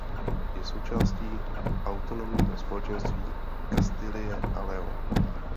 Je součástí autonomního společenství Kastilie a León.